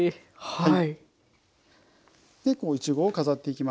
はい。